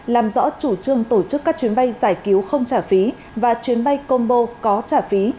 làm rõ chủ trương tổ chức các chuyến bay giải cứu không trả phí và chuyến bay combo có trả phí